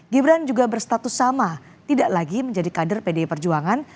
gibran juga berstatus sama tidak lagi menjadi kader pdi perjuangan